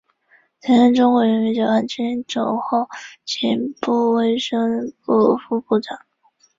曾任中国人民解放军总后勤部卫生部副部长。